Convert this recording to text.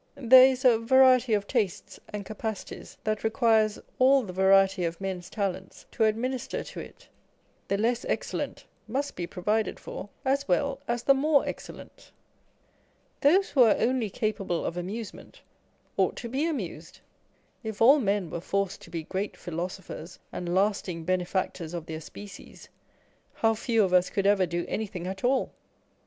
There is a variety of tastes and capacities that requires all the variety of men's talents to administer to it. The less excellent must be provided for as well as the more excellent. Those who are only capable of amusement ought to be amused. If all men were forced to be great philosophers and lasting bene factors of their species, how few of us could ever do any thing at all